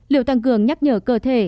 liệu tăng cường nhắc nhở cơ thể